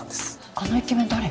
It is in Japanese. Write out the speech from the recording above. あのイケメン誰？